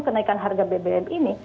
kenaikan harga bbm ini